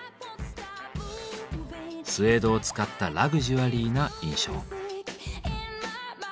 スエードを使ったラグジュアリーな印象。